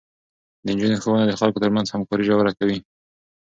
د نجونو ښوونه د خلکو ترمنځ همکاري ژوره کوي.